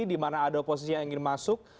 di mana ada oposisi yang ingin masuk